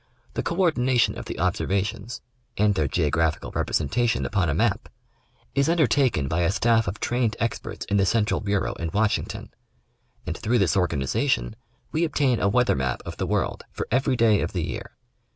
The co ordination of the observations, and their geographical representa 10 National Geographic Magazine. tion upon a map, is undertaken by a staff of trained experts in the Central Bureau in Washington, and through this organization we obtain a weather map of the world for every day of the year.